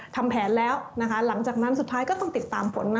ทำแผนแล้วนะคะหลังจากนั้นสุดท้ายก็ต้องติดตามฝนมา